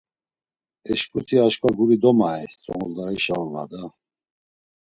E şǩuti aşǩva guri domaey Zunguldağişa olva da!